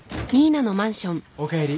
おかえり。